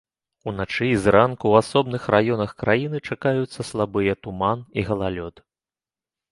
Уначы і зранку ў асобных раёнах краіны чакаюцца слабыя туман і галалёд.